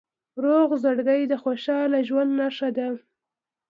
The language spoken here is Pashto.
روغ زړګی د خوشحال ژوند نښه ده.